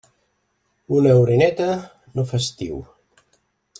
Una oroneta no fa estiu.